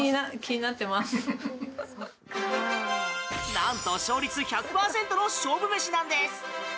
なんと勝率１００％の勝負飯なんです。